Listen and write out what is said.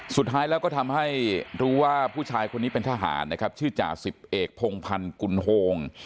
สุดท้ายแล้วก็ทำให้รู้ว่าผู้ชายคนนี้เป็นทหารนะครับชื่อจ่าสิบเอกพงพันธ์กุลโฮง